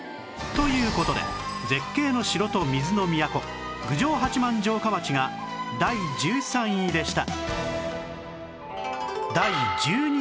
という事で絶景の城と水の都郡上八幡城下町が第１３位でした